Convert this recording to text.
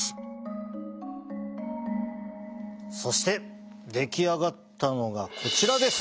そして出来上がったのがこちらです！